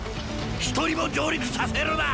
一人も上陸させるな！